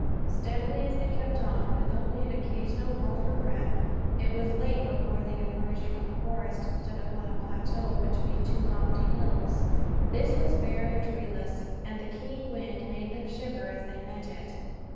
Steadily as they kept on, with only an occasional halt for breath, it was late before they emerged from the forest and stood upon a plateau between two lofty hills. This was bare and treeless, and the keen wind made them shiver, as they met it.